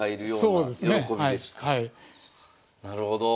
なるほど。